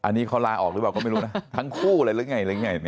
อันนี้เขาลาออกหรือเปล่าก็ไม่รู้นะทั้งคู่อะไรรึไง